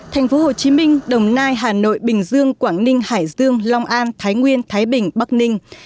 tp hcm đồng nai hà nội bình dương quảng ninh hải dương long an thái nguyên thái bình bắc ninh